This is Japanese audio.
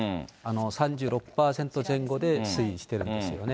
３６％前後で推移してるんですよね。